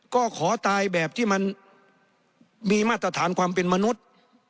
ก็ขอตายแบบที่มันมีมาตรฐานความเป็นมนุษย์